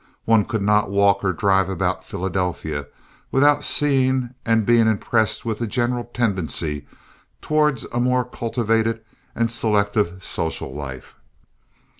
One could not walk or drive about Philadelphia without seeing and being impressed with the general tendency toward a more cultivated and selective social life.